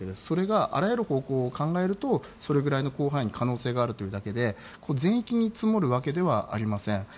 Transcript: それが、あらゆる方向を考えるとそれくらいの可能性があるということで全域に積もるわけではありません。